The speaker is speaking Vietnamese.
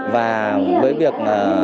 và với việc